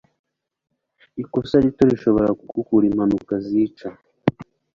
Ikosa rito rishobora gukurura impanuka zica.